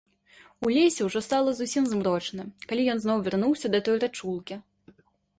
У лесе ўжо стала зусім змрочна, калі ён зноў вярнуўся да той рачулкі.